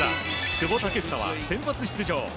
久保建英は先発出場。